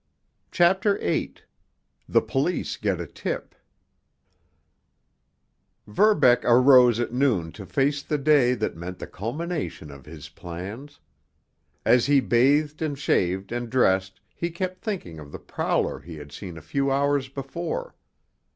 CHAPTER VIII—THE POLICE GET A TIP Verbeck arose at noon to face the day that meant the culmination of his plans. As he bathed and shaved and dressed he kept thinking of the prowler he had seen a few hours before.